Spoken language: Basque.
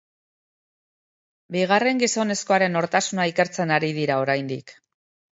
Bigarren gizonezkoaren nortasuna ikertzen ari dira oraindik.